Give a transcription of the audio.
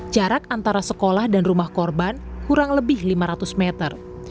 jarak antara sekolah dan rumah korban kurang lebih lima ratus meter